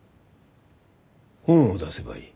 本を出せばいい。